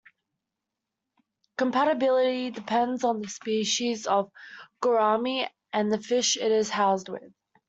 Compatibility depends on the species of gourami and the fish it is housed with.